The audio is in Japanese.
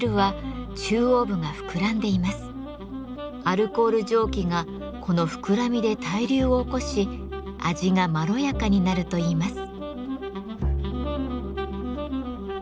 アルコール蒸気がこの膨らみで対流を起こし味がまろやかになるといいます。